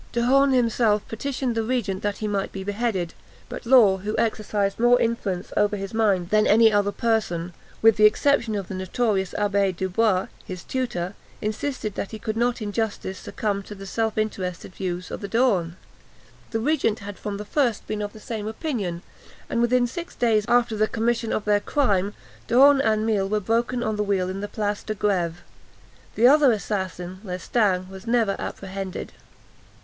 D'Horn himself petitioned the regent that he might be beheaded; but Law, who exercised more influence over his mind than any other person, with the exception of the notorious Abbé Dubois, his tutor, insisted that he could not in justice succumb to the self interested views of the D'Horns. The regent had from the first been of the same opinion; and within six days after the commission of their crime, D'Horn and Mille were broken on the wheel in the Place de Grève. The other assassin, Lestang, was never apprehended.